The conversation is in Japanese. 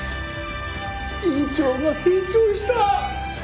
院長が成長した。